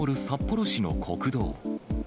札幌市の国道。